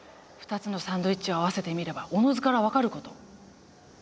２つのサンドイッチを合わせてみればおのずから分かる事。